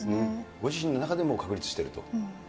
ご自身の中でもう確立していると。